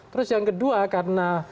terus yang kedua karena